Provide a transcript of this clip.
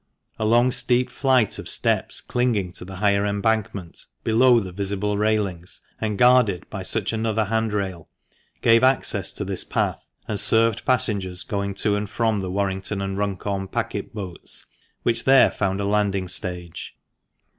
A long steep flight of steps clinging to the higher embankment, below the visible railings, and guarded by such another hand rail, gave access to this path, and served passengers going to and from the Warrington and Runcorn packet boats which there found a landing stage.